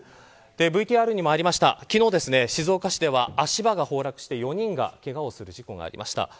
ＶＴＲにもありました昨日、静岡市では足場が崩落して４人がけがをする事故がありました。